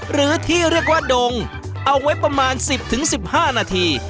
หรือที่เรียกว่าดงเอาไว้ประมาณสิบถึงสิบห้านาที